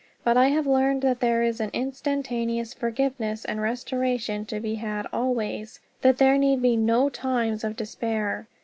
But I have learned that there is instantaneous forgiveness and restoration to be had always. That there need be no times of despair.